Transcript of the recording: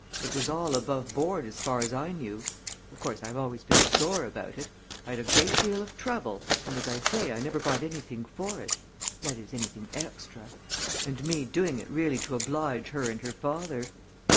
"It was all above board as far as I knew. Of course, I've always been sore about it I'd a great deal of trouble, and as I say, I never got anything for it that is, anything extra. And me doing it really to oblige her and her father!"